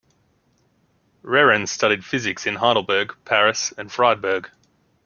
Rehren studied physics in Heidelberg, Paris and Freiburg.